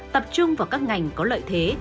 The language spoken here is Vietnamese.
tập trung vào các ngành có lợi thế